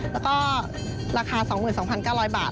แล้วก็ราคา๒๒๙๐๐บาท